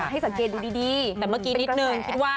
ให้สังเกตดูดีแต่เมื่อกี้นิดนึงคิดว่า